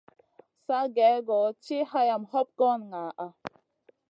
Sa gèh-goh tiʼi hayam hoɓ goy ŋaʼa.